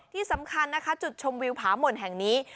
ที่สำคัญนะคะจุดชมวิวผาหม่นแห่งนี้